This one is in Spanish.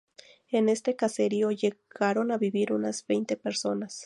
En este caserío llegaron a vivir unas veinte personas.